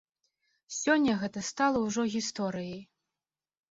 Сёння гэта стала ўжо гісторыяй.